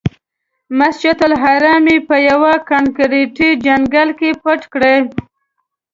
مسجدالحرام یې په یوه کانکریټي ځنګل کې پټ کړی.